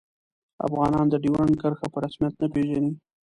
افغانان د ډیورنډ کرښه په رسمیت نه پيژني